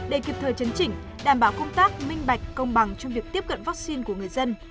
để kịp thời chấn chỉnh đảm bảo công tác minh bạch công bằng trong việc tiếp cận vaccine của người dân